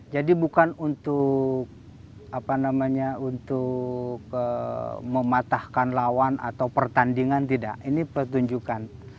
jadi bukan untuk mematahkan lawan atau pertandingan tidak ini pertunjukan